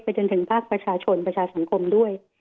จนถึงภาคประชาชนประชาสังคมด้วย